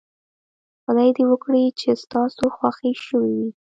خدای دې وکړي چې ستاسو خوښې شوې وي.